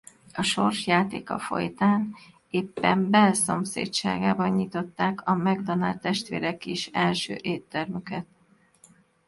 A sors játéka folytán éppen Bell szomszédságában nyitották a McDonald testvérek is első éttermüket.